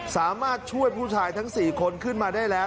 สามารถช่วยผู้ชายทั้ง๔คนขึ้นมาได้แล้ว